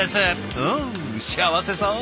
うん幸せそう！